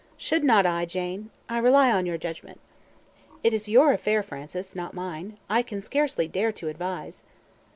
Should not I, Jane? I rely on your judgment." "It is your affair, Francis, not mine. I can scarcely dare to advise."